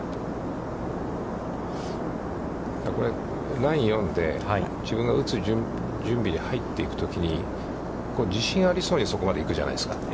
ラインを読んで自分が打つ準備に入っていくときに、自信ありそうにそこまで行くじゃないですか。